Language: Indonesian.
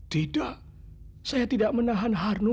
tidak saya tidak menahan harmo